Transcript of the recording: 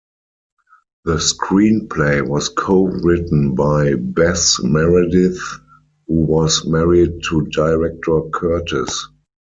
The screenplay was co-written by Bess Meredyth, who was married to director Curtiz.